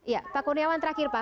ya pak kurniawan terakhir pak